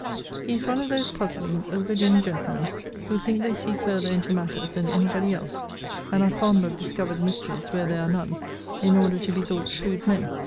He is one of those puzzling, over doing gentlemen, who think they see farther into matters than any body else, and are fond of discovered mysteries where there are none, in order to be thought shrewd men.